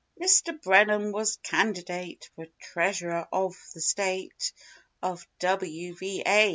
77 Mr. Brennan was candidate for Treasurer of the State of W. Va.